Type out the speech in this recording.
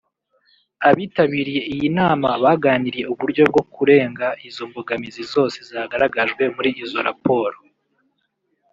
Abitabiriye iyi nama baganiriye uburyo bwo kurenga izo mbogamizi zose zagaragajwe muri izo raporo